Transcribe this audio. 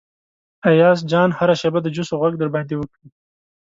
ایاز جان هره شیبه د جوسو غږ در باندې وکړي.